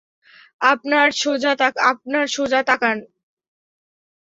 আপনার সোজা তাকান।